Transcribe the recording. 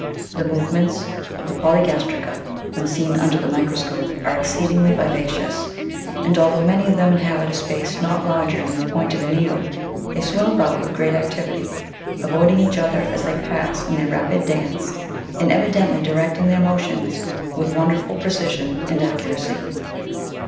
The movements of the poly gastrica, when seen under the microscope, are exceedingly viva cious ; and although many of them inhabit a space not larger than the point of a needle, they swim about with great activity, avoiding each other as they pass in their rapid dance, and evidently directing their motions with wonderful precision and accuracy.